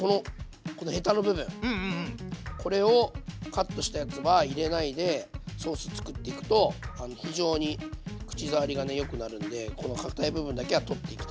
これをカットしたやつは入れないでソースつくっていくと非常に口触りがねよくなるんでこのかたい部分だけは取っていきたいと思います。